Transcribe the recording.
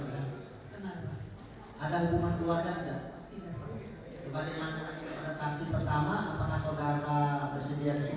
saudara penduduk umum saksi ini bagaimana penyelesaiannya apakah satu satu atau mau disatukan sekaligus